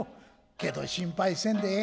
けど心配せんでええ